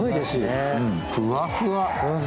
ふわふわ。